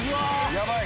ヤバい。